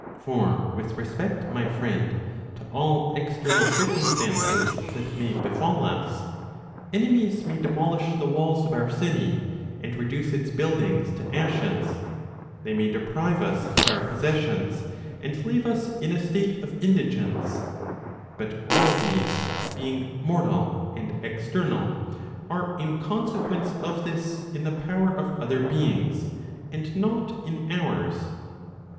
For with respect, my friend, to all external circumstances that may befal us, enemies may demolish the walls of our city, and reduce its buildings to ashes, they may deprive us of our possessions, and leave us in a state of indigence; but all these being mortal and external, are in consequence of this in. the power of other beings, and not in ours.